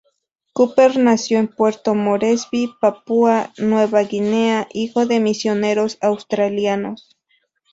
Cooper nació en Puerto Moresby, Papúa Nueva Guinea, hijo de misioneros australianos.